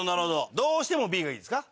どうしてもＢがいいですか？